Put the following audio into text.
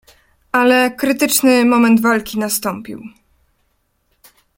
"Ale krytyczny moment walki nastąpił."